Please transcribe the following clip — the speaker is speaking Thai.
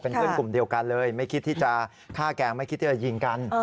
เพื่อนกลุ่มเดียวกันเลยไม่คิดที่จะฆ่าแกไม่คิดที่จะยิงกัน